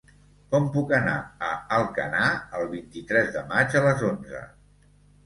Com puc anar a Alcanar el vint-i-tres de maig a les onze?